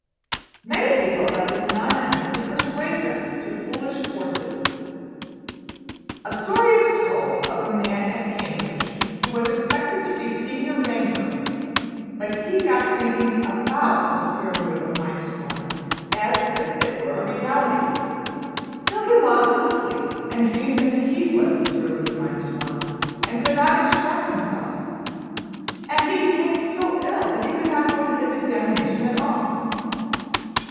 Many people let this nonentity persuade them to foolish courses. A story is told of a man at Cambridge who was expected to be Senior Wrangler; but he got thinking \emph{about} the square root of minus one as if it were a reality, till he lost his sleep and dreamed that \emph{he} was the square root of minus one and could not extract himself; and he became so ill that he could not go to his examination at all.